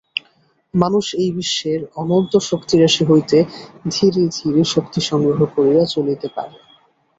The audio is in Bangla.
মানুষ এই বিশ্বের অনন্ত শক্তিরাশি হইতে ধীরে ধীরে শক্তি সংগ্রহ করিয়া চলিতে পারে।